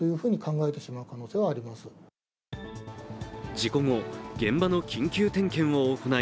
事故後、現場の緊急点検を行い